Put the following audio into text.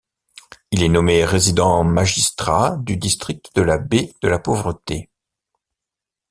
Il est nommé Résident Magistrat du district de la baie de la Pauvreté.